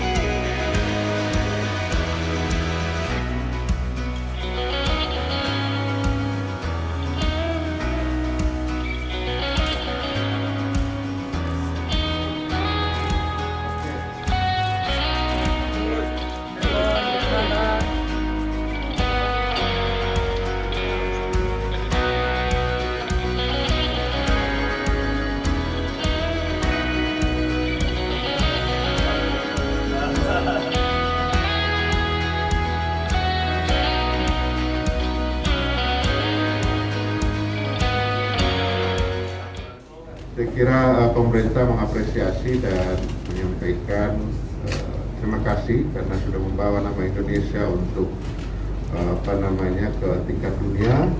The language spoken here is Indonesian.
saya kira pemerintah mengapresiasi dan menyampaikan terima kasih karena sudah membawa nama indonesia untuk ke tingkat dunia